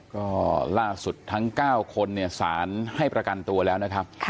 ก็ล่าสุดทั้ง๙คนเนี่ยสารให้ประกันตัวแล้วนะครับ